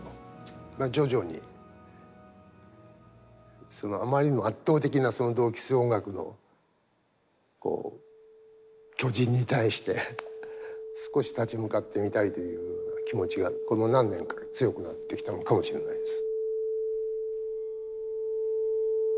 徐々にそのあまりにも圧倒的なその同期する音楽の巨人に対して少し立ち向かってみたいという気持ちがこの何年か強くなってきたのかもしれないです。